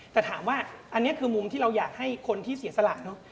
แต่ถามว่าอันนี้คือมุมที่เราอยากให้คนที่เสียสละเนอะ